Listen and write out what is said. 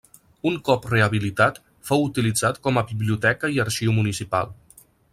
Un cop rehabilitat, fou utilitzat com a biblioteca i arxiu municipal.